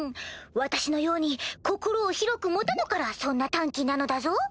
私のように心を広く持たぬからそんな短気なのだぞ！